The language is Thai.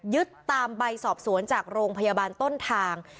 ยึดตามใบสอบสวนจากโรงพยาบาลต้นทาง